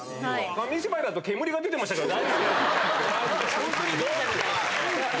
紙芝居だと煙が出てましたからね。